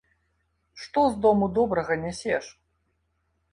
Што з дому добрага нясеш?